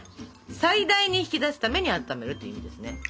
最大に引き出すために温めるという意味ですね。